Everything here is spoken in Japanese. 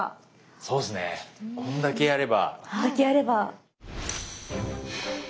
そうですねこんだけやれば。